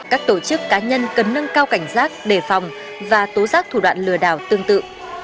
các tổ chức cá nhân cần nâng cao cảnh giác đề phòng và tố giác thủ đoạn lừa đảo tương tự